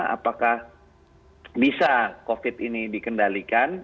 apakah bisa covid ini dikendalikan